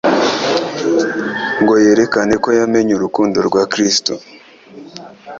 ngo yerekane ko yamenye urukundo rwa Kristo